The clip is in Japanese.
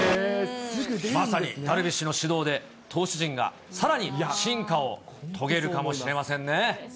まさにダルビッシュの指導で投手陣がさらに進化を遂げるかもしれませんね。